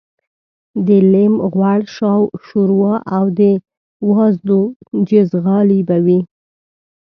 د لېم غوړ شوروا او د وازدو جیزغالي به وې.